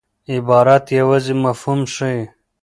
عبارت یوازي مفهوم ښيي.